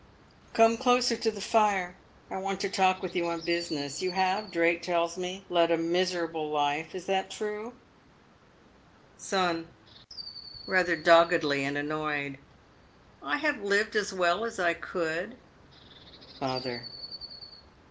Come closer to the fire, I want to talk with you on busi ness. You have, Drake tells me, led a miserable life. Is that true ? Son (rather doggedly and annoyed). I have lived as well as I could. Father.